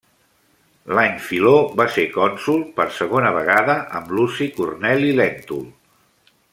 L'any Filó va ser cònsol per segona vegada amb Luci Corneli Lèntul.